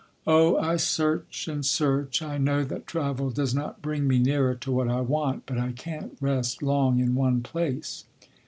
"Oh, I search and search. I know that travel does not bring me nearer to what I want, but I can’t rest long in one place.